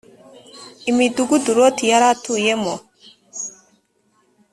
imidugudu loti yari atuyemo